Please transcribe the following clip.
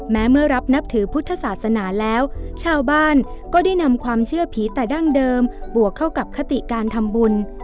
แม้เมื่อรับนับถือพุทธศาสนาแล้วชาวบ้านก็ได้นำความเชื่อผีแต่ดั้งเดิมบวกเข้ากับคติการทำบุญ